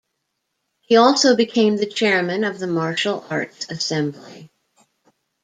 He also became the chairman of the martial arts assembly.